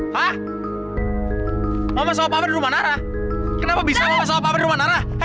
hah mama sama papa di rumah nara kenapa bisa mama sama papa di rumah nara